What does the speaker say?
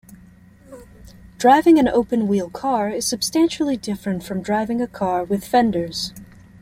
Driving an open-wheel car is substantially different from driving a car with fenders.